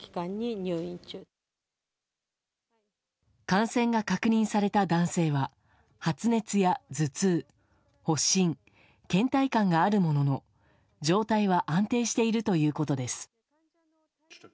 感染が確認された男性は発熱や頭痛、発疹倦怠感があるものの状態は安定しているということです。